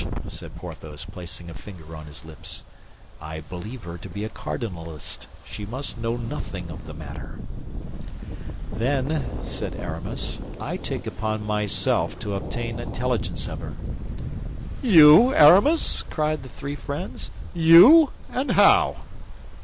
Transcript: said Porthos, placing a finger on his lips. "I believe her to be a cardinalist; she must know nothing of the matter." "Then," said Aramis, "I take upon myself to obtain intelligence of her." "You, Aramis?" cried the three friends. "You! And how?"